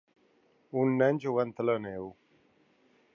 Un nen jugant a la neu.